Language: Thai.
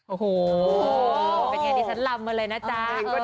โอ้โหเป็นอย่างที่ฉันลำเลยนะจ๊ะ